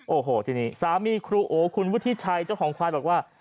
โอ้โหทีนี้สามีครูโอคุณวุฒิชัยเจ้าของควายบอกว่า